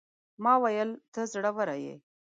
ما وويل: ته زړوره يې.